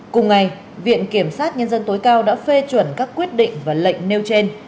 cùng ngày viện kiểm sát nhân dân tối cao đã phê chuẩn các quyết định và lệnh nêu trên